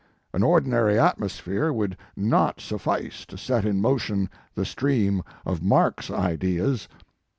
An ordinary atmosphere would not suffice to set in motion the stream of Mark s ideas.